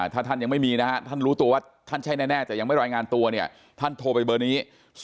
ถ้าท่านยังไม่มีนะฮะท่านรู้ตัวว่าท่านใช่แน่แต่ยังไม่รายงานตัวเนี่ยท่านโทรไปเบอร์นี้